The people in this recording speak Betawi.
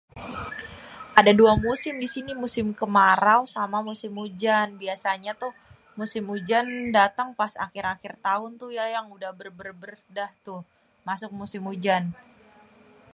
ada dua musim di sini.. musim kemarau sama musim ujan.. biasanya tuh musim ujan dateng pas akhir-akhir taun tuh ya yang udah *bêrbêrbêr udah tuh masuk musim ujan..